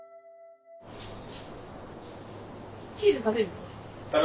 チーズ食べる？